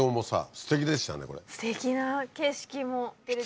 すてきな景色も。